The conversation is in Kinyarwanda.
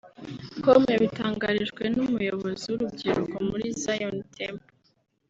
com yabitangarijwe n’umuyobozi w’urubyiruko muri Zion Temple